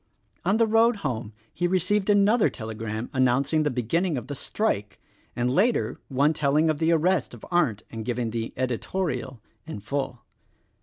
On the road home he received another telegram announcing the beginning of the strike, and later one telling of the arrest of Arndt and giving the "editorial" in full.